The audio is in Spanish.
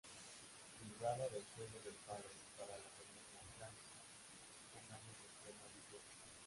Privada del sueldo del padre, para la familia Gramsci son años de extrema miseria.